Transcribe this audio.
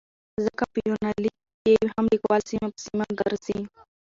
ځکه په يونليک کې هم ليکوال سيمه په سيمه ګرځي